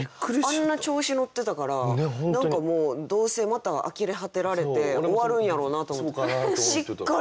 あんな調子乗ってたから何かもうどうせまたあきれ果てられて終わるんやろうなと思ったらしっかり。